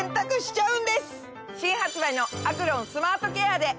新発売のアクロンスマートケアで！